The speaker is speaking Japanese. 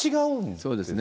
そうですね。